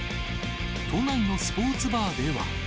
都内のスポーツバーでは。